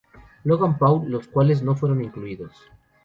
Logan Paul, los cuales no fueron incluidos.